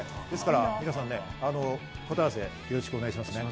ですから皆さんね、答え合わせよろしくお願いします。